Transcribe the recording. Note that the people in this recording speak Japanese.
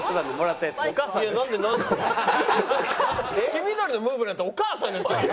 黄緑のムーヴなんてお母さんのやつ。